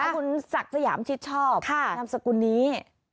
คุณศักดิ์สยามชิดชอบนามสกุลนี้